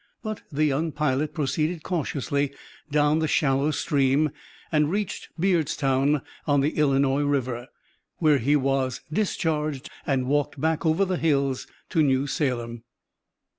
But the young pilot proceeded cautiously down the shallow stream, and reached Beardstown, on the Illinois River, where he was "discharged" and walked back over the hills to New Salem.